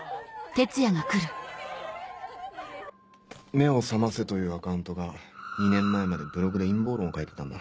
「めをさませ」というアカウントが２年前までブログで陰謀論を書いてたんだ。